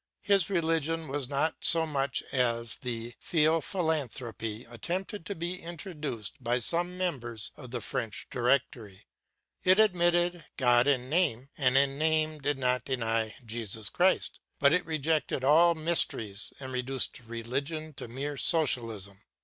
His religion was not so much as the Theophilanthropy attempted to be introduced by some members of the French Directory: it admitted God in name, and in name did not deny Jesus Christ, but it rejected all mysteries, and reduced religion to mere socialism.